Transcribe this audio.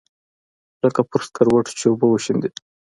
لکه پر سکروټو چې اوبه وشيندې.